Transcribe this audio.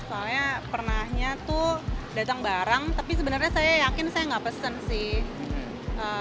soalnya pernahnya tuh datang barang tapi sebenarnya saya yakin saya nggak pesen sih